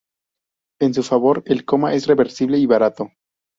En su favor, el coma es reversible y barato.